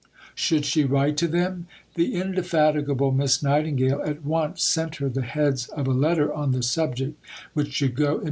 Should she write to them? The indefatigable Miss Nightingale at once sent her the heads of a letter on the subject which should go immediately to the Viceroy.